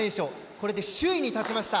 これで首位に立ちました。